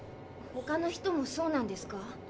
ほかの人もそうなんですか？